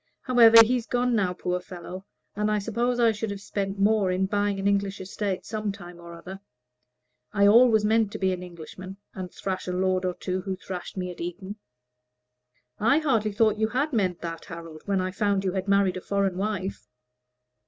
However, he's gone now, poor fellow; and I suppose I should have spent more in buying an English estate some time or other. I always meant to be an Englishman, and thrash a lord or two who thrashed me at Eton." "I hardly thought you could have meant that, Harold, when I found you had married a foreign wife."